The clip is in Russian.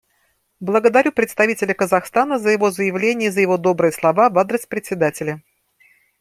Благодарю представителя Казахстана за его заявление и за его добрые слова в адрес Председателя.